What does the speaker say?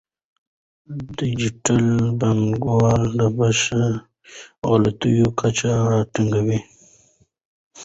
ډیجیټل بانکوالي د بشري غلطیو کچه راټیټوي.